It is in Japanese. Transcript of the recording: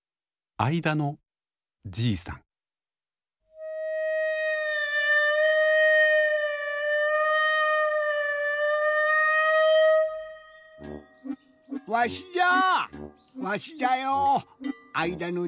あいだのじいさんじゃよ。